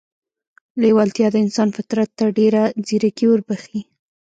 لېوالتیا د انسان فطرت ته ډېره ځیرکي وربښي